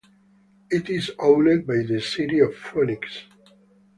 It is owned by the City of Phoenix.